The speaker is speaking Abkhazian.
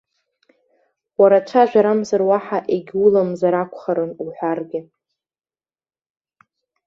Уара цәажәармзар уаҳа егьуламзар акәхарын уҳәаргьы.